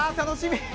楽しみ！